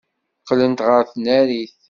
Qqlent ɣer tnarit.